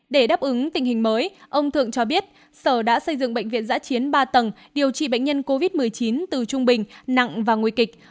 để đáp ứng tình hình mới ông thượng cho biết sở đã xây dựng bệnh viện giã chiến ba tầng điều trị bệnh nhân covid một mươi chín từ trung bình nặng và nguy kịch